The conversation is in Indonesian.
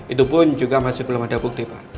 itu pun juga masih belum ada bukti pak